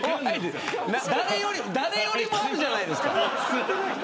誰よりもあるじゃないですか。